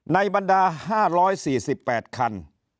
บรรดา๕๔๘คัน